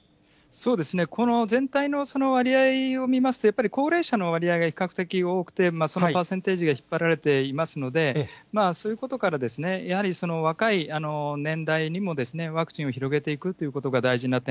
この全体の割合を見ますと、やっぱり高齢者の割合が比較的多くて、そのパーセンテージが引っ張られていますので、そういうことから、やはり若い年代にもワクチンを広げていくということが大事な点。